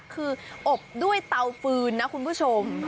คืออบด้วยเตาฟืนนะคุณผู้ชม